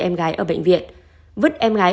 em gái ở bệnh viện vứt em gái